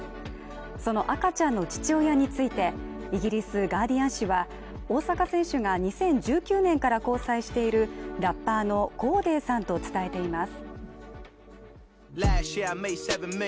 その赤ちゃんの父親についてイギリス「ガーディアン」紙は大坂選手が２０１９年から交際しているラッパーのコーデーさんと伝えています。